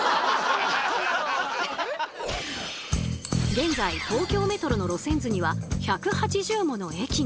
現在東京メトロの路線図には１８０もの駅が。